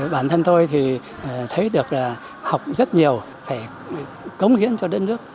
bản thân tôi thì thấy được là học rất nhiều phải cống hiến cho đất nước